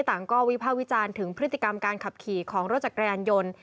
ต่างก็วิภาควิจารณ์ถึงพฤติกรรมการขับขี่ของรถจักรยานยนต์